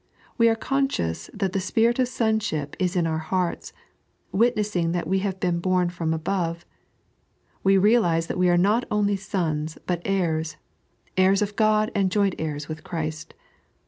We are conscious that the spirit of sonship is in our hearts, witnessing that we have been bom from above. We realize that we are not only sons but heirs — heirs of God and joint heirs with Christ.